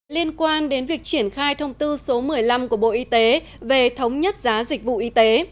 liên quan đến việc triển khai thông tư số một mươi năm của bộ y tế về thống nhất giá dịch vụ y tế